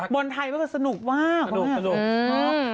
บอลไทยมันก็สนุกมากคุณแม่